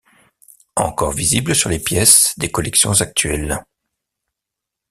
Encore visible sur les pièces des collections actuelles.